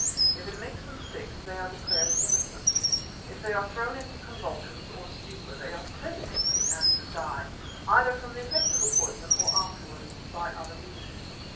If it makes them sick they are declared innocent. If they are thrown into convulsions or stupor they are clearly guilty and die, either from the effects of the poison or afterwards by other means.